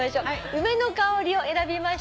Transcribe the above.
「梅の香り」を選びました